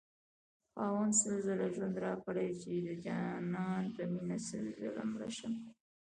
خاونده سل ځله ژوند راكړې چې دجانان په مينه سل ځله مړشمه